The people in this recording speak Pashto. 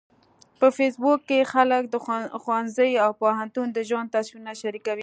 په فېسبوک کې خلک د ښوونځي او پوهنتون د ژوند تصویرونه شریکوي